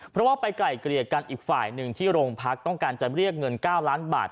เพราะว่าไปไกลเกลี่ยกันอีกฝ่ายหนึ่งที่โรงพักต้องการจะเรียกเงิน๙ล้านบาท